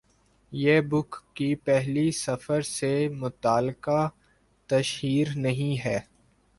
یہ بُک کی پہلی سفر سے متعلقہ تشہیر نہیں ہے